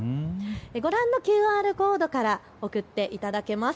ご覧のＱＲコードから送っていただけます。